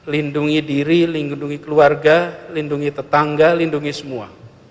lindungi diri lindungi keluarga lindungi tetangga lindungi semua